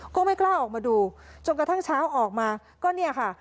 ก็ไม่กล้าออกมาดูจนกระทั่งเช้าออกมาก็เนี่ยค่ะ